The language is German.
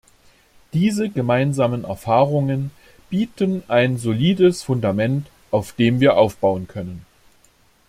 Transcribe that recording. Diese gemeinsamen Erfahrungen bieten ein solides Fundament, auf dem wir aufbauen können.